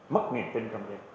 mất niềm tin trong đây